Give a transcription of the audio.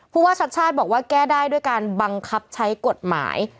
ว่าชัดชาติบอกว่าแก้ได้ด้วยการบังคับใช้กฎหมาย